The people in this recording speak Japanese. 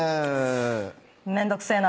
めんどくせえな。